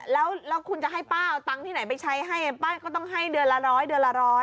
แล้วคุณจะให้ป้าเอาตังค์ที่ไหนไปใช้ให้ป้าก็ต้องให้เดือนละ๑๐๐